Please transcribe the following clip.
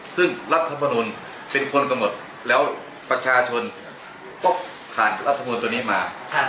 ซึ่งรัฐมนุนเป็นคนกำหนดแล้วประชาชนก็ผ่านรัฐมนุนตัวนี้มา